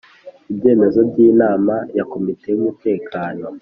Ibyemezo by inama ya Komite y umutekano